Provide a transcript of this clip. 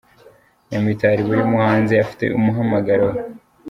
Nyamitari : Buri muhanzi afite umuhamagaro we.